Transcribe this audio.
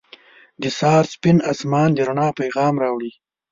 • د سهار سپین آسمان د رڼا پیغام راوړي.